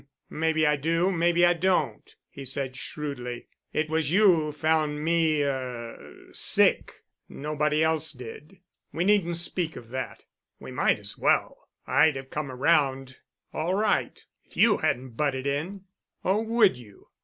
Maybe I do, maybe I don't," he said shrewdly. "It was you who found me—er—sick. Nobody else did." "We needn't speak of that." "We might as well. I'd have come around all right, if you hadn't butted in." "Oh, would you?"